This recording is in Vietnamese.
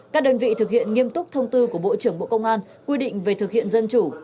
các đơn vị thực hiện nghiêm túc thông tư của bộ trưởng bộ công an quy định về thực hiện dân chủ